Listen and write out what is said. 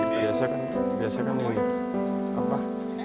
biasa kan biasanya kan mau ya apa